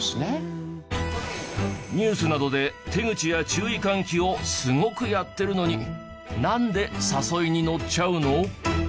ニュースなどで手口や注意喚起をすごくやってるのになんで誘いにのっちゃうの？